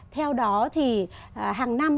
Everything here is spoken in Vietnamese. theo đó thì hàng năm